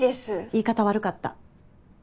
言い方悪かった。